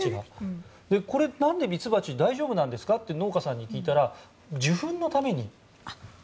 ミツバチ、大丈夫なんですか？と農家さんに聞いたら受粉のためにと。